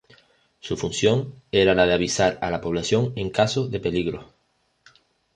Su función era la de avisar a la población en caso de peligros.